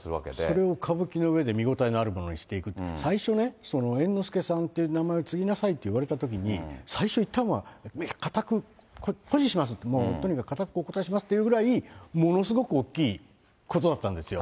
それを歌舞伎の上で見応えのあるものにしていくって、最初ね、猿之助さんって名前を継ぎなさいと言われたときに、最初いったんは固く固辞しますって、とにかくお断りしますって言うぐらい、ものすごく大きいことだったんですよ。